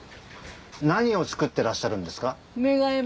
何を作ってらっしゃるんですか？